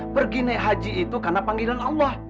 pergi naik haji itu karena panggilan allah